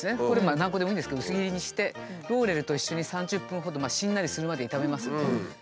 これ何個でもいいんですけど薄切りにしてローレルと一緒に３０分ほどしんなりするまで炒めます。